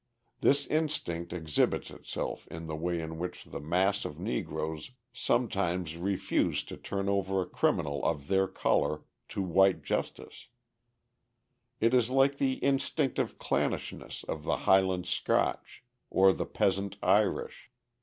This instinct exhibits itself in the way in which the mass of Negroes sometimes refuse to turn over a criminal of their colour to white justice; it is like the instinctive clannishness of the Highland Scotch or the peasant Irish.